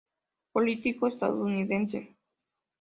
Político estadounidense.